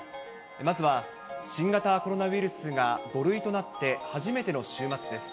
まずは、新型コロナウイルスが５類となって初めての週末です。